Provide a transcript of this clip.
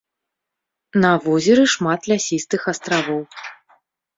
На возеры шмат лясістых астравоў.